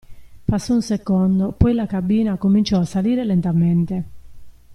Passò un secondo, poi la cabina cominciò a salire lentamente.